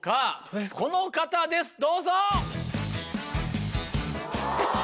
この方ですどうぞ。